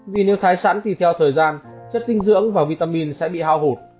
vì nếu thái sẵn thì theo thời gian chất dinh dưỡng và vitamin sẽ bị hao hụt